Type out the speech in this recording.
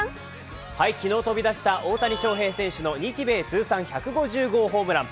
昨日飛び出した大谷翔平選手の日米通算１５０号ホームラン。